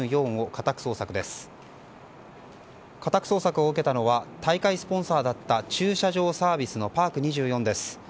家宅捜索を受けたのは大会スポンサーだった駐車場サービスのパーク２４です。